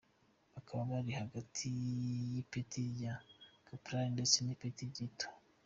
Bakaba bari hagati y’ipeti rya Kaporali ndetse n’ipeti rito.